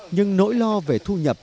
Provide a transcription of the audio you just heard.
nhưng nỗi lo về thu nhập